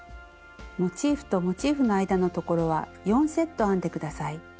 モチーフとモチーフの間のところは４セット編んで下さい。